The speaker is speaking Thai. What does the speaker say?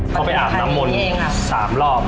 เข้าไปอาบน้ำมล๓รอบ